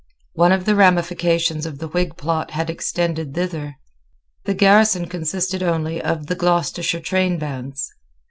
One of the ramifications of the Whig plot had extended thither. The garrison consisted only of the Gloucestershire trainbands.